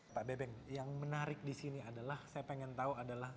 pak bebeng yang menarik di sini adalah saya pengen tahu adalah